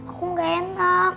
aku enggak enak